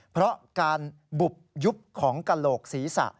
เพราะการบุบยุบของกระโหลกศีรษะ